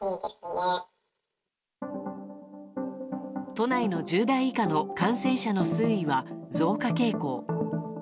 都内の１０代以下の感染者の推移は増加傾向。